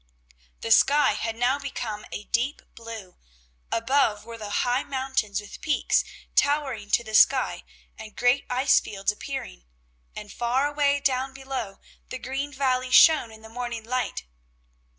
The sky had now become a deep blue; above were the high mountains with peaks towering to the sky and great ice fields appearing, and far away down below the green valley shone in the morning light.